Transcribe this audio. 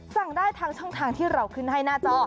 สั่งได้ทางช่องทางที่เราขึ้นให้หน้าจอ